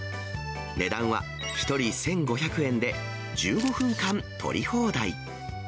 値段は１人１５００円で、１５分間撮り放題。